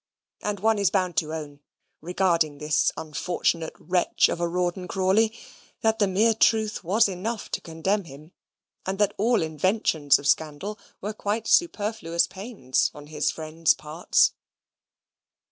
And one is bound to own, regarding this unfortunate wretch of a Rawdon Crawley, that the mere truth was enough to condemn him, and that all inventions of scandal were quite superfluous pains on his friends' parts.